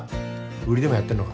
売りでもやってんのか？